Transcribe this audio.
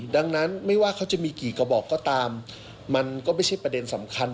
ดังนั้นไม่ว่าเขาจะมีกี่กระบอกก็ตามมันก็ไม่ใช่ประเด็นสำคัญ